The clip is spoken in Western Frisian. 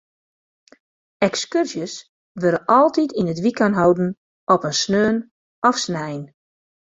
Ekskurzjes wurde altyd yn it wykein holden, op in saterdei of snein.